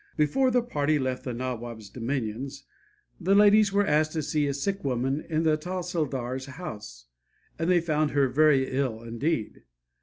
Before the party left the Nawab's dominions, the ladies were asked to see a sick woman in the Tahsildar's house, and they found her very ill indeed.